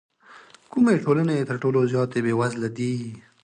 کومې ټولنې تر ټولو زیاتې بېوزله دي؟